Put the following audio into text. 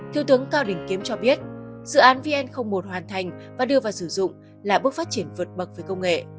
thiếu tướng cao đình kiếm cho biết dự án vn một hoàn thành và đưa vào sử dụng là bước phát triển vượt bậc về công nghệ